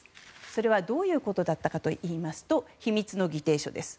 それはどういうことだったかというと秘密の議定書です。